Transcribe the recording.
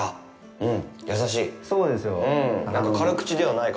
うん。